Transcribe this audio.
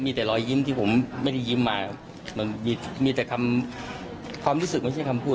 มีแต่รอยยิ้มที่ผมไม่ได้ยิ้มมามันมีแต่คำความรู้สึกไม่ใช่คำพูด